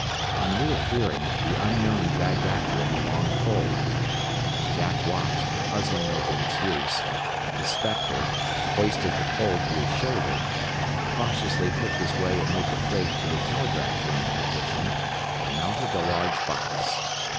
On reappearing, the unknown dragged after him a long pole. As Jack watched, puzzling over its use, the "spectre" hoisted the pole to his shoulder, cautiously picked his way amid the freight to the telegraph room partition, and mounted a large box.